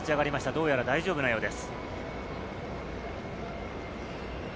どうやら大丈夫なようです。